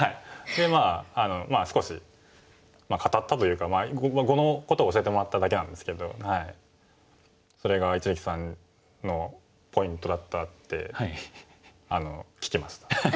でまあ少し語ったというか碁のことを教えてもらっただけなんですけど。それが一力さんのポイントだったって聞きました。